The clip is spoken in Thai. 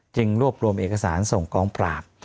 รวบรวมเอกสารส่งกองปราบ